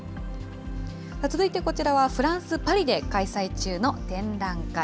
続いてこちらはフランス・パリで開催中の展覧会。